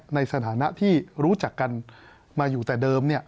ในฐานะที่รู้จักกันมาอยู่แต่เดิม